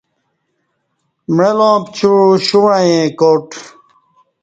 معلاں پڅیوع شوں وعیں کاٹ